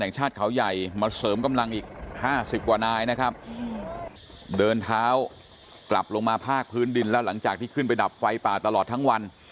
แห่งชาติเขาใหญ่มาเสริมกำลังอีกห้าสิบกว่านายนะครับเดินเท้ากลับลงมาภาคพื้นดินแล้วหลังจากที่ขึ้นไปดับไฟป่าตลอดทั้งวัน